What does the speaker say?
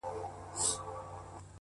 و ماته عجيبه دي توري د !!